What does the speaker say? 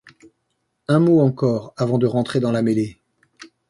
Un mot encore avant de rentrer dans la mêlée.